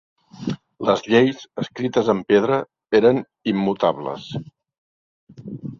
Les lleis, escrites en pedra, eren immutables.